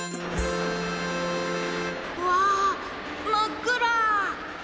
うわまっくら！